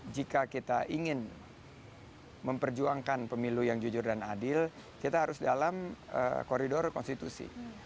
jika kita ingin memperjuangkan pemilu yang jujur dan adil kita harus dalam koridor konstitusi